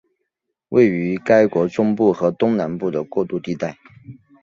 位于该国中部和东南部的过渡地带。